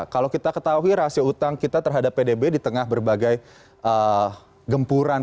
kalau kita ketahui rasio utang kita terhadap pdb di tengah berbagai gempuran